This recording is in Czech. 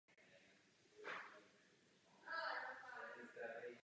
V prostorách se také konají kulturní a společenské akce či výstavy.